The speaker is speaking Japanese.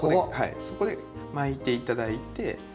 そこで巻いていただいて。